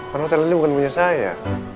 karena hotel ini bukan punya saya